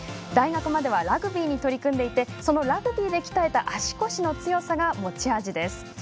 大学まではラグビーに取り組んでいてそのラグビーで鍛えた足腰の強さが持ち味です。